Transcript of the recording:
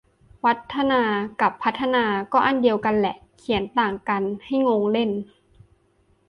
วัฒนา กับพัฒนา ก็อันเดียวกันแหละ เขียนต่างกันให้งงเล่น